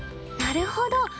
なるほど。